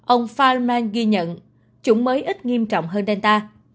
ông feynman ghi nhận chủng mới ít nghiêm trọng hơn delta